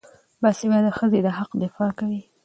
باسواده ښځې د حق دفاع کوي.